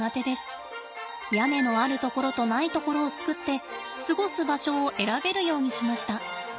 屋根のある所とない所を作って過ごす場所を選べるようにしました。